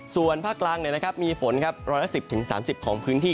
ส่วนภาคกลางมีฝนร้อยละ๑๐๓๐ของพื้นที่